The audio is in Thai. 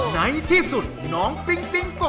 ในที่สุดน้องปิ๊งปิ๊งก็